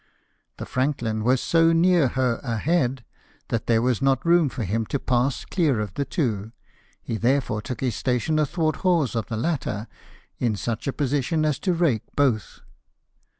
The Franklin was so near her ahead that there was not room for him to pass clear of the two; he therefore took his station athwart hawse of the latter, in such a position as to rake both.